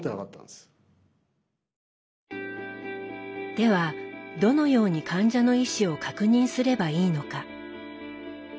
ではどのように患者の意思を確認すればいいのか。